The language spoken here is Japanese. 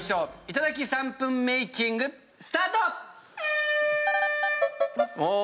いただき３分メイキングスタート！